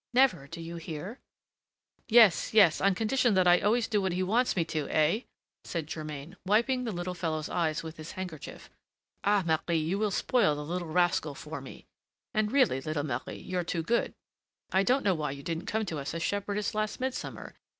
never, do you hear?" "Yes, yes, on condition that I always do what he wants me to, eh?" said Germain, wiping the little fellow's eyes with his handkerchief. "Ah! Marie, you will spoil the rascal for me! And really, little Marie, you're too good. I don't know why you didn't come to us as shepherdess last midsummer.